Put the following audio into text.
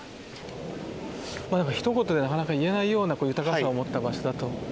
ひと言ではなかなか言えないような豊かさを持った場所だと感じました。